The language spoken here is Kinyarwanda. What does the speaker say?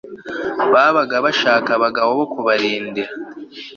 babaga bashaka abagabo bo kubarindira